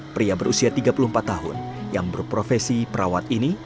pria berusia tiga puluh empat tahun yang berprofesi perawat ini